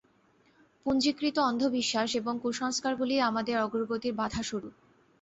পুঞ্জীকৃত অন্ধবিশ্বাস এবং কুসংস্কারগুলিই আমাদের অগ্রগতির বাধাস্বরূপ।